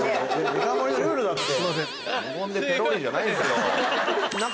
デカ盛りのルールだって。